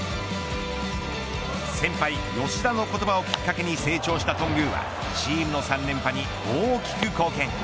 先輩、吉田の言葉をきっかけに成長した頓宮はチームの３連覇に大きく貢献。